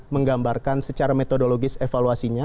menggambarkan secara metodologis evaluasinya